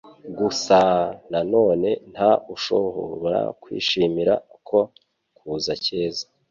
gusaa nanone nta usohoka kwishimira ako kuka keza.